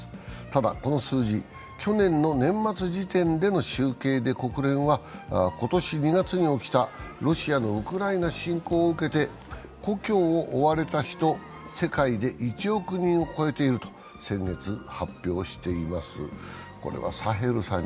ただ、この数字は去年の年末時点の集計で国連は、今年２月に起きたロシアのウクライナ侵攻を受けて故郷を追われた人、世界で１億人を超えていると先月発表しています。